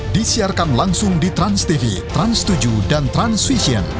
disiarkan langsung di transtv trans tujuh dan transvision